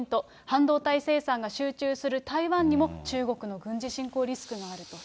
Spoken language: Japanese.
半導体生産が集中する台湾にも、中国の軍事侵攻リスクがあると。